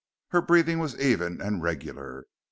Her breathing was even and regular.